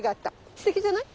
すてきじゃない？